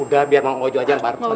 udah biar bang ojo aja yang baru bantuin